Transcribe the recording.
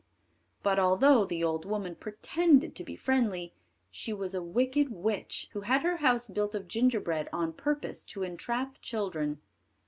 But although the old woman pretended to be friendly, she was a wicked witch, who had her house built of gingerbread on purpose to entrap children.